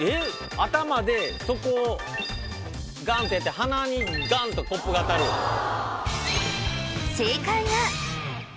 頭で底をガンッてやって鼻にガンとコップが当たるえ！